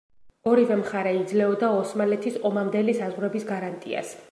ორივე მხარე იძლეოდა ოსმალეთის ომამდელი საზღვრების გარანტიას.